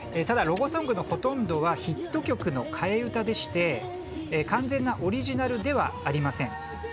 ただ、ロゴソングのほとんどはヒット曲の替え歌でして完全なオリジナルではありません。